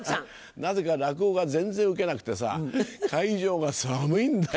なぜか落語が全然ウケなくてさ会場が寒いんだよ